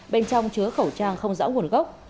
bên trong chứa khẩu trang không rõ nguồn gốc